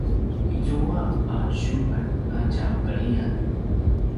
izua a siubay a tja veliyan